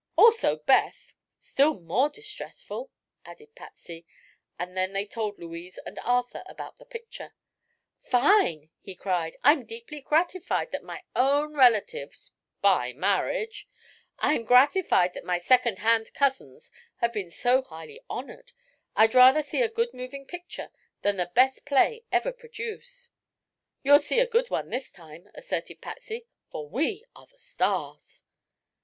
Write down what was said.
"Also Beth, still more distressful," added Patsy; and then they told Louise and Arthur about the picture. "Fine!" he cried. "I'm deeply gratified that my own relatives " "By marriage." "I am gratified that my secondhand cousins have been so highly honored. I'd rather see a good moving picture than the best play ever produced." "You'll see a good one this time," asserted Patsy, "for we are the stars."